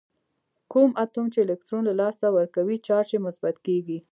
کوم اتوم چې الکترون له لاسه ورکوي چارج یې مثبت کیږي.